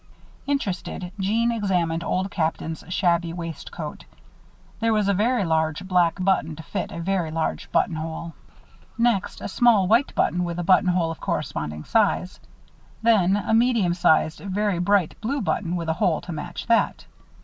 Interested Jeanne examined Old Captain's shabby waistcoat. There was a very large black button to fit a very large buttonhole. Next, a small white button with a buttonhole of corresponding size. Then a medium sized very bright blue button with a hole to match that.